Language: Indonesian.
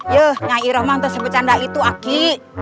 yah nyai iroh mantan sebecanda itu aki